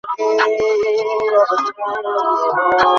এরি মধ্যে মিটিল কি প্রণয়েরি আশ?